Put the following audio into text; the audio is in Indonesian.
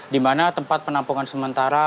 di mana tempat penampungan sementara